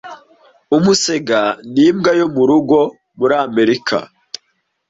umusega ni imbwa yo mu rugo muri Amerika